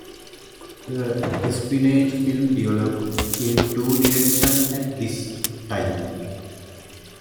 The espionage film developed in two directions at this time.